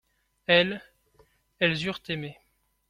Elles, elles eurent aimé.